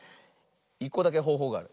１こだけほうほうがある。